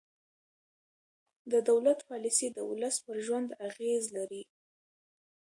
د دولت پالیسۍ د ولس پر ژوند اغېز لري